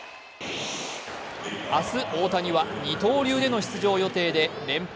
明日、大谷は二刀流での出場予定で連敗